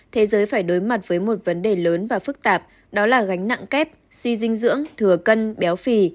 thế giới phải đối mặt với một vấn đề lớn và phức tạp đó là gánh nặng kép suy dinh dưỡng thừa cân béo phì